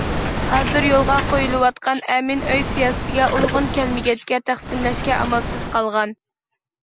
ھازىر يولغا قويۇلۇۋاتقان ئەمىن ئۆي سىياسىتىگە ئۇيغۇن كەلمىگەچكە، تەقسىملەشكە ئامالسىز قالغان.